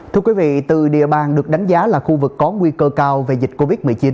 thưa quý vị từ địa bàn được đánh giá là khu vực có nguy cơ cao về dịch covid một mươi chín